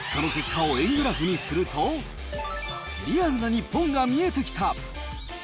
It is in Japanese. その結果を円グラフにすると、リアルな日本が見えてきた。